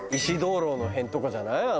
石灯籠の辺とかじゃない？